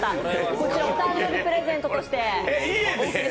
こちらお誕生日プレゼントとしてお贈りします